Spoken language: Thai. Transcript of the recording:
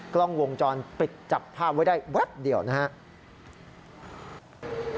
กล้องวงจรปิดจับภาพไว้ได้แวบเดียวนะครับ